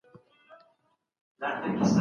سياست پوهنه د یو مهم علم په توګه منل سوې وه.